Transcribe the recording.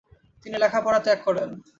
তিনি লেখাপড়া ত্যাগ করেন।